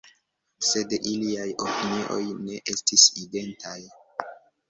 Sed iliaj opinioj ne estis identaj.